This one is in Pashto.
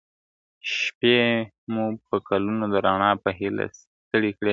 شپې مو په کلونو د رڼا په هیله ستړي کړې ..